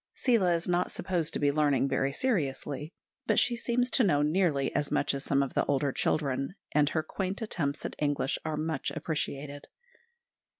Seela is not supposed to be learning very seriously; but she seems to know nearly as much as some of the older children, and her quaint attempts at English are much appreciated.